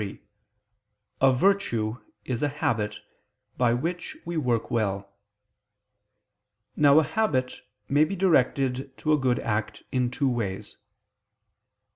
3), a virtue is a habit by which we work well. Now a habit may be directed to a good act in two ways.